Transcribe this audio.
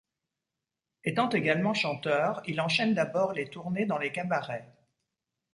Étant également chanteur, Il enchaîne d'abord les tournées dans les cabarets.